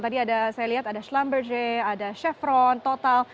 tadi ada saya lihat ada slambersy ada chevron total